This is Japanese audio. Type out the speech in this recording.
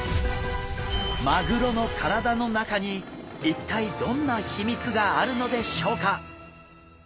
マグロの体の中に一体どんな秘密があるのでしょうか？